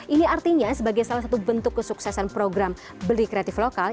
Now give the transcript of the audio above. ini artinya sebagai salah satu bentuk kesuksesan program beli kreatif lokal